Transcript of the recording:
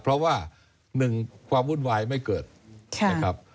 เพราะว่าหนึ่งความวุ่นวายไม่เกิดนะครับ